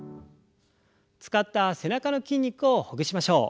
使った背中の筋肉をほぐしましょう。